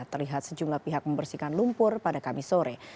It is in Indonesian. terlihat sejumlah pihak membersihkan lumpur pada kamis sore